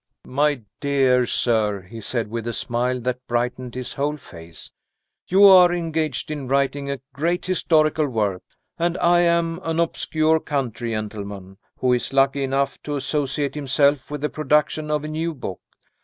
"My dear sir," he said, with a smile that brightened his whole face, "you are engaged in writing a great historical work; and I am an obscure country gentleman, who is lucky enough to associate himself with the production of a new book.